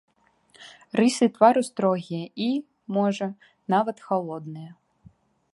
Рысы твару строгія і, можа, нават халодныя.